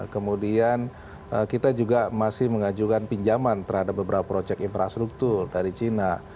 kemudian kita juga masih mengajukan pinjaman terhadap beberapa proyek infrastruktur dari cina